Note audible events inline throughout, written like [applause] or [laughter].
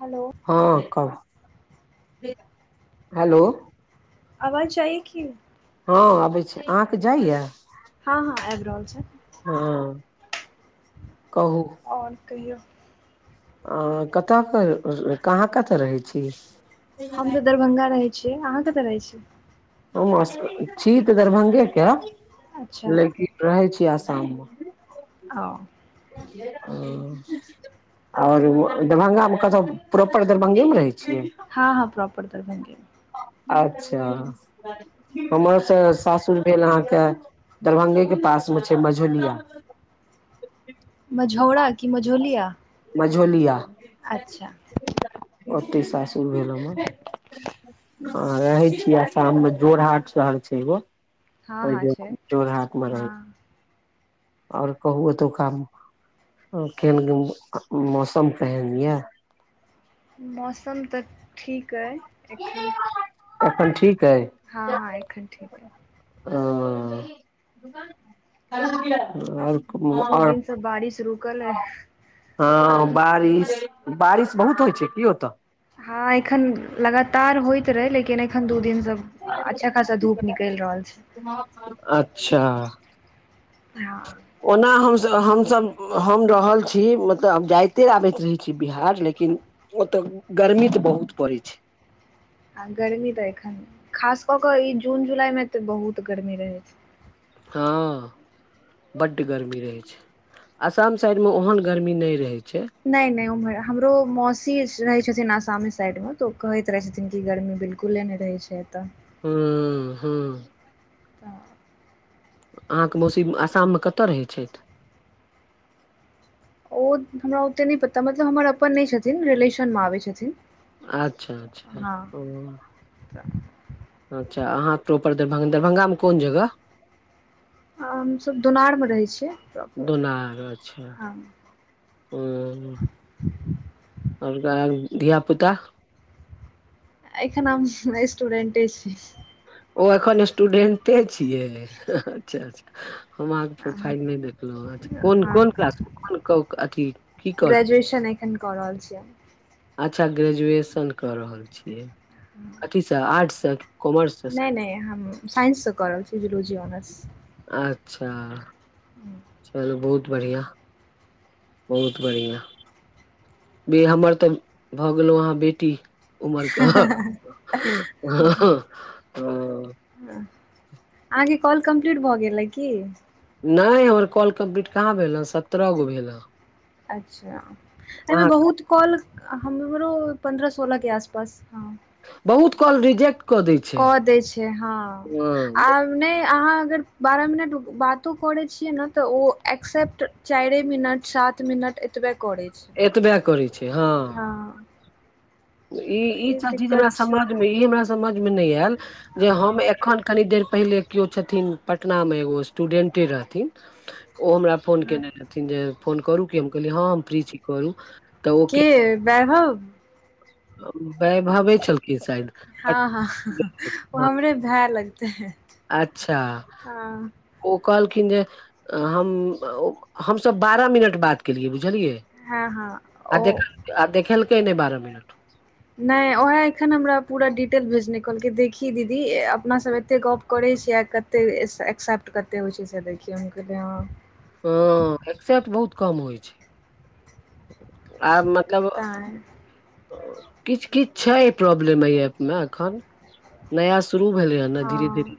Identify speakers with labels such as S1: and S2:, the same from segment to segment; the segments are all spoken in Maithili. S1: हेलो!
S2: हँ कहू, हेलो!
S1: आवाज जाइये की?
S2: हँ आबै छै, अहाँकेॅं जाइयाए?
S1: हँ, हँ आबि रहल छै।
S2: हँ, कहू!
S1: आओर कहियौ?
S2: अ कतयके, अहाँ कतय रहै छी?
S1: हम तँ दरभंगा रहै छी, अहाँ कतय रहै छी?
S2: हम छी तॅं दरभंगेके
S1: अच्छा
S2: लेकिन रहै छी आसाममे
S1: हॅं
S2: ओ आओर दरभंगामे कतय? प्रोपर दरभंगेमे रहै छियै?
S1: हँ, हँ प्रोपर दरभंगेमे
S2: अच्छा, हमर तॅं सासुर भेल अहाँकेॅं दरभंगेके पासमे छै मझौलिया
S1: मझौरा की मझौलिया?
S2: मझौलिया,
S1: अच्छा
S2: ओतहि सासुर भेल हमर हँ, रहै छियै आसाममे जोरहाट शहर छै एगो
S1: हँ हँ
S2: ओहि
S1: छै
S2: जोरहाटमे रहै
S1: हँ
S2: छियै आओर कहु, एतुका केहन मौसम केहन यए?
S1: मौसम तॅं ठीक अइ। एखन,
S2: एखन ठीक अइ
S1: हँ हँ एखन ठीक अइ।
S2: ओ [unintelligible]
S1: दू दिनसँ बारिश रूकल अइ
S2: हँ बारिश बारिश बहुत होइ छै की ओतह
S1: हँ एखन लगातार होइत रहै लेकिन एखन दू दिन सब अच्छा खासा धूप निकलि रहल छैय
S2: अच्छा
S1: ह
S2: ओना हमसभ हमसभ हम रहल छी मतलब आब जाइते आबैत रहै छी बिहार लेकिन ओतऽ गर्मी तऽ बहुत पड़ै छै
S1: आ गर्मी तऽ एखन खास कऽ कऽ ई जून जुलाईमे तऽ बहुत गर्मी रहैत छै
S2: हँ बड्ड गरमी रहै छै आसम साइडमे ओहन गरमी नहि रहै छै
S1: नहि नहि उम्हर हमरो मौसी रहय छथिन आसामे साइड मे तो ओ कहैत रहे छथिन की गर्मी बिलकुल खुले नहि रहै छै एतऽ
S2: ह
S1: तऽ
S2: अहाँके मौसीआसाममे कतय रहै छथि
S1: ओ हमरा ओतेक नहि पता मतलब हमर अपन नहि छथिन रिलेशनमे आबैत छथिन
S2: अच्छा अच्छा ओ
S1: अच्छा
S2: अच्छा अहाँ प्रॉपर दरभंगामे कोन जगह
S1: हमसभ दुनारमे रहै छियै टॉपर हँ
S2: ओ। हम त अहा धिय पुता।
S1: एखन हम स्टूडेंटे छी
S2: ओ एखन स्टूडेंटे छिये अच्छा
S1: [inaudible] [inaudible]
S2: हम अहाँके
S1: हँ
S2: प्रोफाइल नहि देखलहुँ हँ कोन
S1: हँ
S2: कोन किलास कोन अथी। की कर
S1: ग्रेजुएशन एखन क रहल छियै
S2: अच्छा ग्रेजुएशन कऽ रहल छियै कथि सँ आर्ट्ससँ कि कॉमर्स सँ
S1: नहि नहि हम साइंससँ क रहल छी जुजोलॉजी ऑनर्स।
S2: अच्छा।
S1: [inaudible]
S2: चलू बहुत बढ़िया। बहुत बढ़िया। बे हमर तऽ भऽ गेलहु अहा बेटी। उमरके हँ।
S1: आगे काँल कम्प्लीट भऽ गेलै की।
S2: नहि हमर कॉल कम्पलीट कह भेल ह सत्रह गो भेल ह।
S1: अच्छा एहिमे बहुत। कॉल हमरो पन्द्रह सोलह के आसपास हँ।
S2: बहुत कॉल रिजेक्ट। दै छै
S1: कऽ दै छै हँ
S2: हँ
S1: आब। नहि अहाँ अगर बारह मिनट बातो करै छियै ने तऽ ओ एक्सेप्ट। चार मिनट सात मिनट एतबे करैछै
S2: एतबे करै छै हँ। ई
S1: तऽ
S2: ईसभ चीज हमरा
S1: दिक्कत छै
S2: समझमे ई हमरा समझमे नहि आयल जे
S1: हँ
S2: हम एखन। कनि देर पहिले केओ छथिन पटनामे एगो स्टूडेन्टे रहथिन ओ हमरा फोन
S1: हँ
S2: केने रहथिन जे फोन करू की? हम कहलियै हँ-हँ हम फ्री छी करू, तॅं
S1: के वैभव?
S2: वैभवे छलखिन शायद!
S1: हँ- हँ ओ
S2: हँ
S1: हमरे भाए लगतै
S2: अच्छा।
S1: हँ
S2: ओ कहलखिन जे हम हम सभ बारह मिनट बात केलियै बुझलियै।
S1: हँ, हँ
S2: आ
S1: ओ
S2: देख आ देखेलकै नहि बारह मिनट।
S1: नहि उएह एखन हमरा पूरा डिटेल भेजलकै, कहलकै देखही दीदी अपना सभ एतेक गप करैत छियै आ कत- -कते एक्सेप्ट होइ छै से देखियौ, हम कहलियै- हॅं
S2: हँ, एक्सेप्ट बहुत कम होइ छै। आ मतलब-
S1: तैं
S2: किछु-किछु छै प्रॉब्लम एहि ऐपमे एखन, नया- शुरू भेलैए ने,
S1: हँ
S2: धीरे-धीरे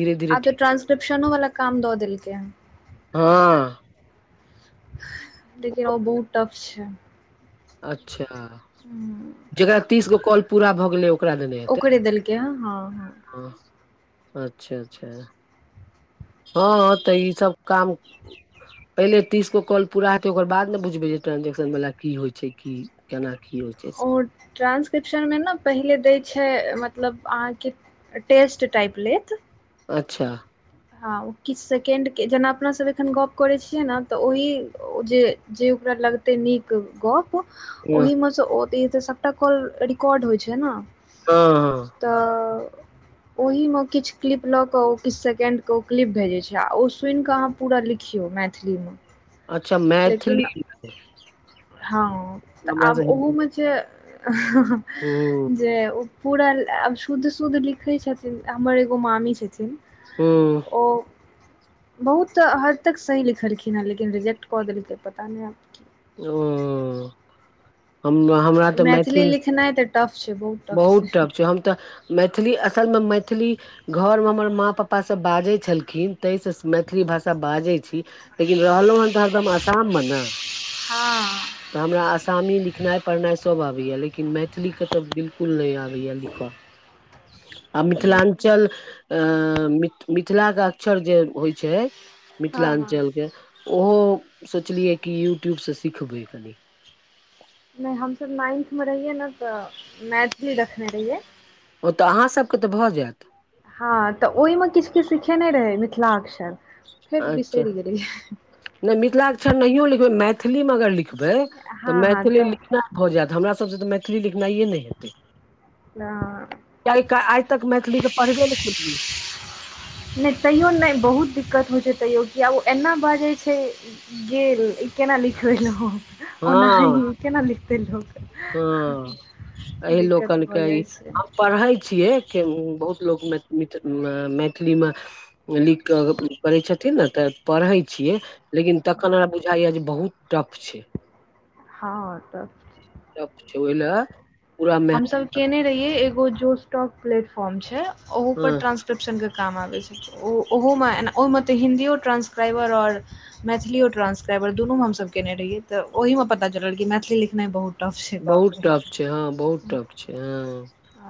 S2: धीरे-धीरे
S1: आब तऽ
S2: ठीक हेतै
S1: ट्रांसक्रिप्शनो वाला काम दऽ देलकै हँ
S2: हँ
S1: लेकिन ओ बहुत टफ छै,
S2: अच्छा,
S1: हूँ,
S2: जकरा तीस गो कॉल पूरा भऽ गेलै ओकरा देने- हेतै
S1: ओकरे देलकै, हॅं
S2: हँ, अच्छा -अच्छा। हँ, तॅं ई सब काम- पहिले तीस गो कॉल पूरा हेतै ओकर बाद ने बुझबै जे ट्रांजेक्शन वला की होइ छै की? केना की होइ छै?
S1: ट्रान्सक्रिप्शनमे ने पहिले दै छै मतलब अहाँके- टेस्ट टाइप लेैत।
S2: अच्छा,
S1: हँ किछु सेकेंडकेॅं जेना अपना सभ एखन गप करै छियै ने तॅं ओहि जे जे ओकरा लगतै नीक गप
S2: हँ
S1: ओहिमे सँ ओ देत सबटा कॉल रिकॉर्ड होइ छै न
S2: हँ,
S1: तॅं ओहिमे किछु क्लिप लऽ कऽ ओ किछु सेकेण्ड तॅं ओ क्लिप भऽ जाइ छै आ ओ सुनि कऽ अहाँ पूरा लिखियौ मैथिलीमे
S2: अच्छा,
S1: लेकिन
S2: मैथिलीमे
S1: हँ, तॅं आब ओहुमे जे
S2: हूँ
S1: जे पूरा आब शुद्ध-शुद्ध लिखै छथिन हमर एगो मामी छथिन
S2: ओ
S1: ओ बहुत हद तक सही लिखलखिन हेॅं, लेकिन रिजेक्ट कऽ देलकै पता नहि की
S2: ओ, हमरा तॅं
S1: मैथिली
S2: मैथिलीमे,
S1: लिखनाइ तऽ टफ छै
S2: बहुत टफ छै हम तॅं- मैथिली, असलमे मैथिली घरमे हमर माँ-पापा सभ बाजैत छलखिन ताहिसँ मैथिली भाषा बाजैत छी- लेकिन रहलहुँए हन तॅं हरदम आसाममे न
S1: हँ
S2: तॅं हमरा आसामी लिखऽ- लिखनाइ-पढ़नाइ सब आबैया लेकिन मैथिली केॅं तॅं बिल्कुल नहि आबैयाए आबैया लिखऽ आ मिथिलाञ्चल आ मिथिलाकेँ अक्षर जे होइ छै
S1: हँ हँ
S2: मिथिलाञ्चल के ओहो सोचलियै कि यूट्यूबसँ सिखबै,
S1: नहि हम सभ नाइन्थमे रहियै ने तॅं मैथिली रखने रहियै
S2: ओ तॅं अहाँ सभकेँ तॅं भऽ जायत
S1: हँ तॅं ओहिमे किछु-किछु सीखेने रहै मिथिलाक्षर- फेर
S2: अच्छा,
S1: बिसरि गेलियै
S2: नहि मिथिलाक्षर नहियो लिखबै मैथिलीमे अगर लिखबै लिखबै तॅं
S1: हँ हँ
S2: मैथिली
S1: तऽ
S2: लिखनाइ भऽ जायत, हमरा सभसँ तॅं मैथिली लिखनाइए नहि हेतै कियकि आइ तक मैथिलीके पढ़बे नहि केलियै!
S1: नहि तइयो नहि बहुत दिक्कत होइ छै तैयो किया ओ एना बाजै छै गेल ई केना लिखि देलउॅं, ओनाहि
S2: हँ
S1: केना लिखि देलउॅं
S2: हँ, एहि
S1: भऽ
S2: लोकनिकेँ ई
S1: जाइ छै
S2: हम पढ़ै छियै के बहुत लोक मि मि मैथिलीमे लिख कऽ करै छथिन ने तॅं पढ़ै छियै लेकिन तखन हमरा बुझाइयाए जे बहुत टफ छै
S1: हँ, तॅं
S2: टफ छै ओहिलए
S1: हम सभ केने रहियै एगो जोश टाॅक प्लेटफॉर्म छै ओहु पर
S2: हँ
S1: ट्रांस्क्रिप्शन के काम आबै छै, ओ ओहुमे ओहिमे तॅं हिन्दियो ट्रान्सक्राइबर आओर मैथिलीयो ट्रांसक्राइबर दुनूमे हमसभ केयने रहियै तॅं ओहिमे पता चलल कि मैथिली लिखनाइ बहुत टफ छै, बाप
S2: बहुत
S1: रे!
S2: टफ छै, हँ बहुत टफ छै, हँ।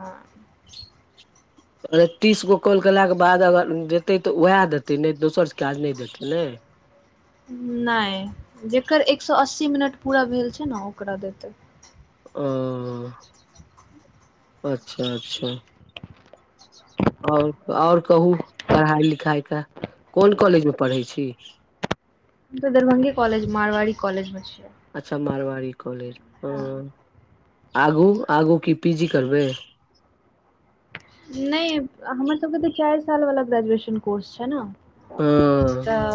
S1: हॅं।
S2: आओर तीस गो कॉल केलाके बाद अगर देतै तॅं वैह देतै नहि तॅं दोसरसँ काज नहि देतै ने
S1: नहि, जेकर एक सए अस्सी मिनट पूरा भेल छै ने ओकरा देतै।
S2: ओ, अच्छा अच्छा। आओर, आओर कहू पढ़ाइ-लिखाइकेॅं कोन कॉलेजमे पढ़ै छी?
S1: हम तॅं दरभङंगे कॉलज मारवाड़ी कॉलेजमे छियै
S2: अच्छा, मारवाड़ी कॉलेज, हँ आगू-आगू की पीजी करबै?
S1: नहि, हमर सबके तॅं चारि साल वला ग्रेजुएशन कोर्स छै ने!
S2: हँ
S1: तॅं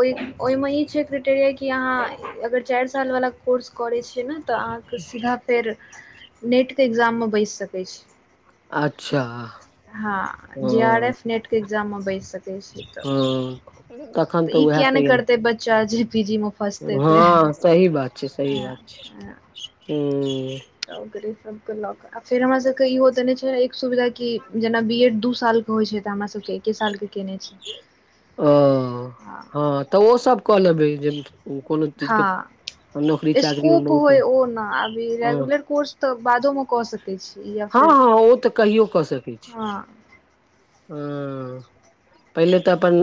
S1: ओहि ओहिमे ई छै क्रिटेरिया कि अहाँ अगर चारि साल वला कोर्स करै छियै ने तॅं अहाँ सीधा फेर नेटके एग्जाममे बैसि सकै छी
S2: अच्छा।
S1: हँ,
S2: हँ
S1: जेआरएफ नेट के एग्जाम मे बैसि सकै
S2: हँ तखन
S1: [unintelligible]
S2: तऽ
S1: ई
S2: उएह
S1: किया ने
S2: तैयारी
S1: करतै बच्चा जे पीजीमे
S2: हँ, सही बात छै, सही बात छै।
S1: हँ
S2: हूॅं
S1: [unintelligible] फेर हमरा सबके इहो देने छै एक सुविधा की जेना बीएड दू साल होइ छै तॅं हमरा सबके एके सालके केने छी
S2: ओ, हँ तॅं ओ सब कऽ लेबै जे कोनो चीज के
S1: हँ,
S2: नौकरी चाकरी मे
S1: स्कूप होय
S2: बहुत
S1: ओ न अब ई
S2: हँ
S1: रेगुलर कोर्स तॅं बादोमे कऽ सकै छी या
S2: हँ,
S1: फेर
S2: हँ ओ तॅं कहियो कऽ सकै छी
S1: हँ
S2: हॅं, पहिले तॅं अपन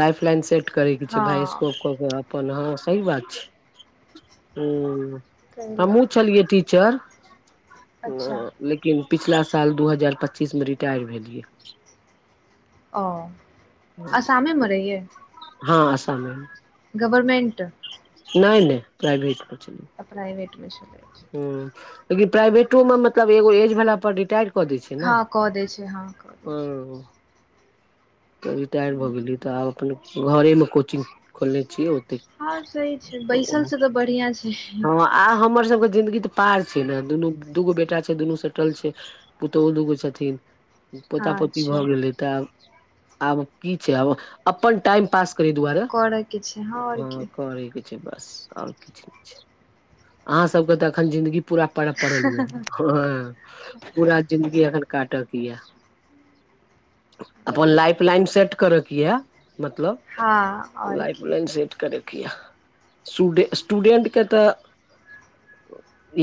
S2: लाइफ-लाइन सेट करैके छै भाइ
S1: हँ
S2: स्कोप- अपन हँ, सही बात छै। [unintelligible]
S1: ताहि लऽ
S2: हमहूँ
S1: कऽ
S2: छलियै टीचर।
S1: अच्छा
S2: लेकिन पिछला साल दू हजार पच्चीसमे रिटायर भेलियै।
S1: ओ असामे मे रहियै
S2: हँ असामे मे
S1: गवरमेंट
S2: नय-नय प्राइवेट मे छलि
S1: प्राइवेट मे छै
S2: हूं लेकिन प्राइवेटो मे मतलब एगो एज भेला पर रिटायर क दै छै ने
S1: हँ कऽ दै छै हँ कऽ दै छै
S2: हूँ तऽ रिटायर भऽ गेलीयय तऽ आब अपन घरेमे कोचिंग खोलने छियै ओतै
S1: हँ सही छै बैसल छै तऽ बढ़ियाँ छै
S2: हँ आ हम्मर सबके जिन्दगी तऽ पार छै ने दुनू दूगो बेटा छै दुनू सेटल छै पुतोहु दूगो छथिन
S1: हँ
S2: पोता-पोती भऽ
S1: अच्छा
S2: गेलै तऽ आब-आब की छै आब अपन टाइम पास करै दुआरे
S1: करयके छै आओर
S2: हँ
S1: की
S2: करै के छै बस आओर किछ नै छै अहाँ सबके तऽ अखन जिन्दगी पूरा पड़-पड़ल यऽ हँ पूरा जिन्दगी अखन काटके यऽ अपन लाइफ-लाइन सेट करयके यऽ मतलब
S1: हँ आओर की
S2: लाइफ-लइन सेट करैके यऽ सूडे स्टूडेंट के तऽ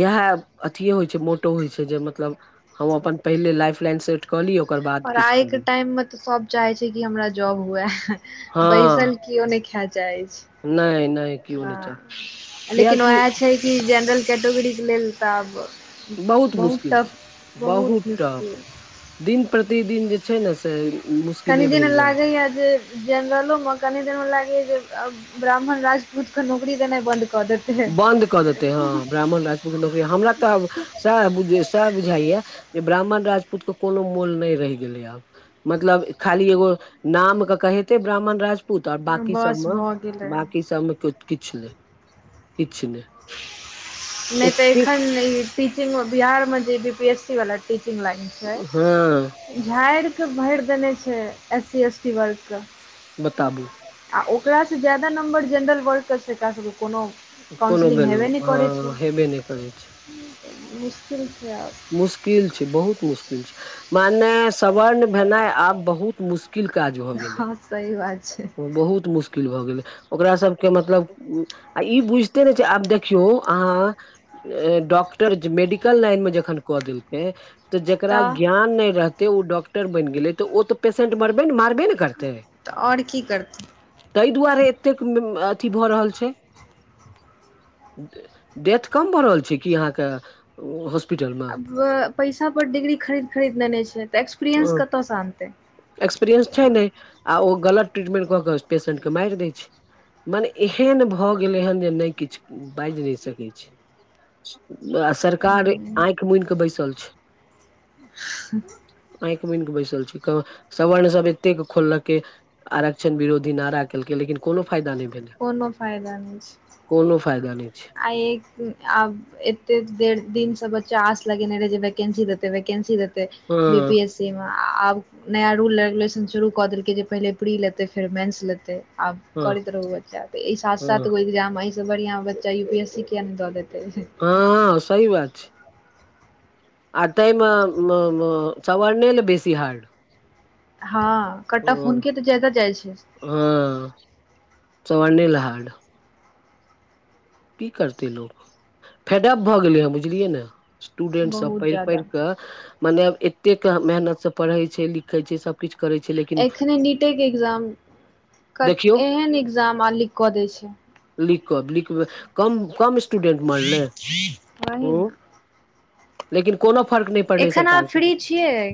S2: इहए अथियो होइ छै मोटो होइ छै जे मतलब हम अपन पहिले लाइफ-लाइन र्सिफ क ली ओकर बाद
S1: आओर
S2: किछ
S1: आइके
S2: करू
S1: टाइममे तऽ सब चाहै छै की हमरा जॉब हुए
S2: हँ
S1: बैसल कीओ नै खाए चाहय
S2: नहि नहि केओ
S1: छै
S2: नहि चाही
S1: अँ लेकिन
S2: कियाकि
S1: ओहए छै कि जेनरल कैटोगरीके लेल तऽ आब
S2: बहुत मुश्किल छै बहुत टफ दिन-प्रतिदिन जे छै ने से
S1: कनि
S2: मुश्किले
S1: दिना
S2: भेल जा
S1: लागैया जे जेनरलो मे कनि दिन मे लागैया जे अब ब्राह्मण राजपूत के नौकरी देनाइ बंन्द कऽ देत
S2: बन्द कऽ देतै हँ ब्राह्मण राजपूत के नौकरी हमरा तऽ अब सएह बुझ सएह बुझाइया जे ब्राह्मण राजपूत के कोनो मोल नै रहि गेलै आब मतलब खाली एगो नाम के कहैतै ब्राह्मण राजपु पूत आ बाकी
S1: बस
S2: सबमे
S1: भऽ गेलै
S2: बाकी सबमे किछ नै किछ नै
S1: नै तऽ एखन नय टीचिंग मे बिहार मे जे बीपी एस सी वला टीचिंग लाइन छै
S2: हँ
S1: झाड़िकऽ भैर देने छै एस सी एस टी वर्ग क
S2: बताबू
S1: आ ओकरासँ ज्यादा नम्बर जेनरल वर्ल्ड के छै [unintelligible] सबके कोनो
S2: कोनो
S1: काउंसिलिंग
S2: वैल्यू
S1: हेबे नै करै छै
S2: हँ हेबे नहि करै छै
S1: मुश्किल छै आब
S2: मुश्किल छै बहुत मुश्किल छै मानेस सवर्ण भेनाय आब बहुत मुश्किल काज भ गेलै
S1: हँ सही बात छै
S2: बहुत मुश्किल भऽ गेलै ओकरा सबके मतलब आ ई बुझिते नै छै आब देखियौ अहाँ डॉक्टर जे मेडिकल लाइन मे जखन कऽ देलकै तऽ जकरा ज्ञान नै रहतै उ डॉक्टर बनि गेलै तऽ उ तऽ पेशेन्ट मरबे ने मारबे ने करताय
S1: तऽ आओर की करतै
S2: ताहि दुआरे एतेक अथी भऽ रहल छै डेथ कम भ रहल छै कि अहाँके ओ हॉस्पिटल म
S1: आब पैसा पर डिग्री खरीद खरीद लने छै तऽ एक्सपीरियंस कत सँ आनतै
S2: एक्सपीरियएंस छै ने आ ओ गलत ट्रीटमेंट कऽ कऽ पेशेंटके माइर दै छै मने एहन भऽ गेलै हेन जे नय किछु बाजि नय सकै छी आ सरकार
S1: उम्म,
S2: आँख मुन केे बैसल छय
S1: [inaudible]
S2: आँख मुइन कऽ बैसल छी सर्ण सब एतेक खोललक आरक्षण विरोधी नारा केलकै लेकिन कोनो फायदा नय भेलै
S1: कोनो फायदा नय छै
S2: कोनो फायदा नय छै
S1: आ [inaudible] एते देर दिन से बच्चा आस लगेने रहे जे वैकेंसी देते वैकेंसी देतै बी
S2: हँ
S1: पी एस सी मे आब नया रूल रेगुलेशन शुरू कऽ देलकै जे पहिले प्री लेतै फेर मेन्स लेतै आब
S2: हँ
S1: करैत रहो बच्चा ते ई सात सात
S2: हँ
S1: गो एग्जाम बढ़िया बच्चा यू पी एस सी किया नय द देताे
S2: हँ सही बात छै आ ताइमे स्वर्णो ल बेसी हार्ड
S1: हँ कटाफ
S2: ह
S1: हुनक के तऽ जादा जाइ छै
S2: हँ स्वर्णे ल हाड की करते लोग फेडब भए गेले हे बुझलियै ने स्टूडेंट सब
S1: बहुत
S2: पैढ़ पैढ़
S1: ज्यादा
S2: कऽ मने एतेक मेहनत से पढ़ै छै लिखै छै सब
S1: एखने नीटे के एग्जाम
S2: देखियौ
S1: एहन एग्जाम आ लिक कऽ दै छै
S2: लिक कऽ लिक मे कम कम स्टूडेंट मरले
S1: वही
S2: ह
S1: ने
S2: लेकिन कोनो फर्क नय
S1: एखन अहाँ फ्री छियै